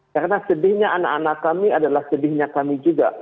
karena sedihnya anak anak kami adalah sedihnya kami juga